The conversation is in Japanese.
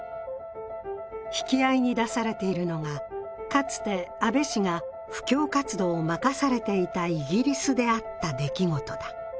引き合いに出されているのがかつて阿部氏が布教活動を任されていたイギリスであった出来事だ。